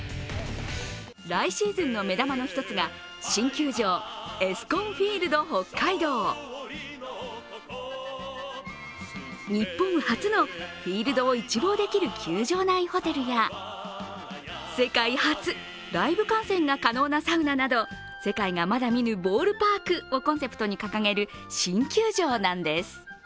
来シーズンの目玉の一つが新球場、エスコンフィールド北海道日本初のフィールドを一望できる球場内ホテルや世界初、ライブ観戦が可能なサウナなど世界がまだ見ぬボールパークをコンセプトに掲げる新球場なんです。